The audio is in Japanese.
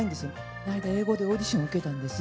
この間、英語でオーディション受けたんです。